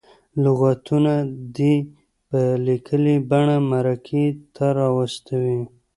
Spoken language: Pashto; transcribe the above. لغتونه دې په لیکلې بڼه مرکې ته راواستوي.